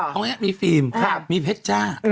ตรงนี้มีฟิล์มมีเพชรจ้า